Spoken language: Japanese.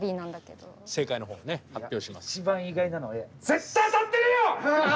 絶対当たってるよ！